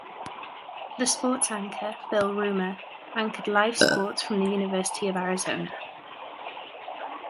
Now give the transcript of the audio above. The sports anchor, Bill Roemer, anchored live sports from the University of Arizona.